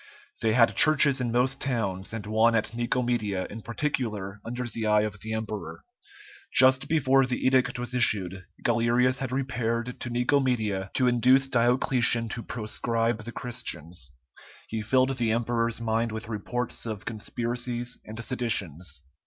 They had churches in most towns, and one at Nicomedia in particular under the eye of the emperor. Just before the edict was issued, Galerius had repaired to Nicomedia to induce Diocletian to proscribe the Christians. He filled the emperor's mind with reports of conspiracies and seditions.